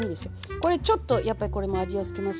これちょっとやっぱりこれも味を付けます。